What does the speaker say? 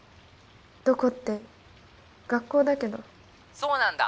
どこって学校だけど☎そうなんだ！